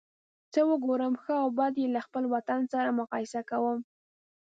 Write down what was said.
څه وګورم ښه او بد یې له خپل وطن سره مقایسه کوم.